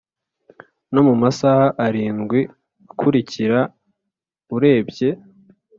Nomumasaha arindwi akurikira urebye